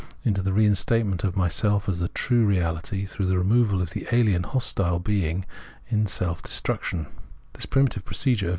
into the reinstatement of myself as the true reality through the removal of the alien hostile being in self destruc tion.